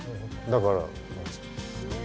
だから。